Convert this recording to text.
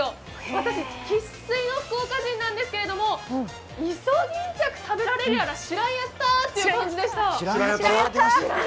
私、生っ粋の福岡人なんですけどイソギンチャク食べられるのは知らやったという感じです。